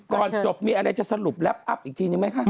ก่อนจบมีอะไรจะสรุปแป๊บอัพอีกทีนึงไหมคะ